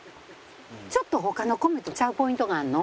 ちょっと他の米とちゃうポイントがあるの。